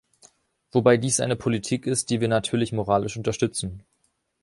Wobei dies eine Politik ist, die wir natürlich moralisch unterstützen.